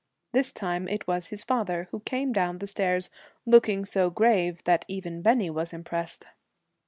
This time it was his father, who came down the stairs, looking so grave that even Bennie was impressed.